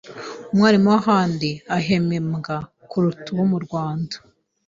umwarimu w’ahandi ahemembwa kuruta uwo mu Rwanda